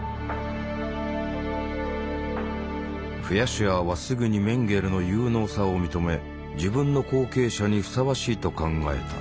シュアーはすぐにメンゲレの有能さを認め自分の後継者にふさわしいと考えた。